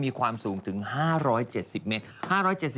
มีความสูงถึง๕๗๐เมตร